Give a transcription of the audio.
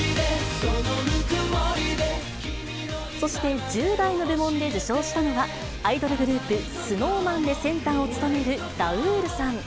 そして１０代の部門で受賞したのは、アイドルグループ、ＳｎｏｗＭａｎでセンターを務めるラウールさん。